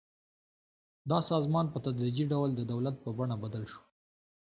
دا سازمان په تدریجي ډول د دولت په بڼه بدل شو.